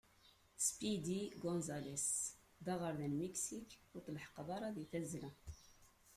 Speedy Gonzales, d aɣerda n Miksik ur tleḥḥqeḍ deg tazzla.